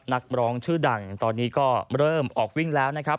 นักร้องชื่อดังตอนนี้ก็เริ่มออกวิ่งแล้วนะครับ